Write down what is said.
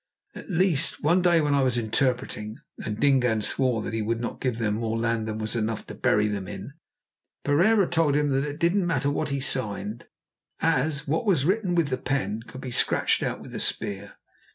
At least, one day when I was interpreting and Dingaan swore that he would not give them more land than was enough to bury them in, Pereira told him that it didn't matter what he signed, as 'what was written with the pen could be scratched out with the spear.